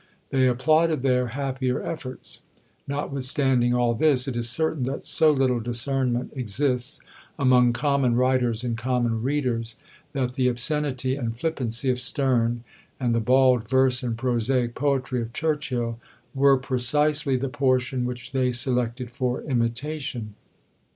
They applauded their happier efforts. Notwithstanding all this, it is certain that so little discernment exists among common writers and common readers, that the obscenity and flippancy of Sterne, and the bald verse and prosaic poetry of Churchill, were precisely the portion which they selected for imitation.